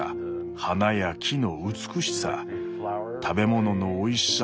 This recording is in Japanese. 花や木の美しさ食べ物のおいしさ。